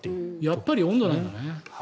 やっぱり温度なんだね。